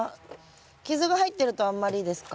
傷が入ってるとあんまりですか？